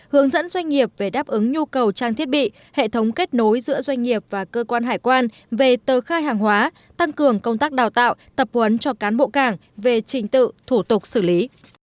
hướng dẫn doanh nghiệp về đáp ứng nhu cầu trang thiết bị hệ thống kết nối giữa doanh nghiệp và cơ quan hải quan về tờ khai hàng hóa tăng cường công tác đào tạo tập huấn cho cán bộ cảng về trình tự thủ tục xử lý